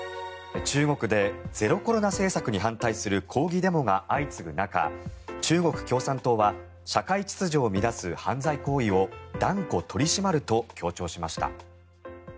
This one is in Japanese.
中国でゼロコロナ政策に反対する抗議デモが相次ぐ中中国共産党は社会秩序を乱す犯罪行為を断固取り締まると強調しました。